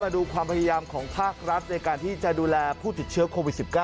ดูความพยายามของภาครัฐในการที่จะดูแลผู้ติดเชื้อโควิด๑๙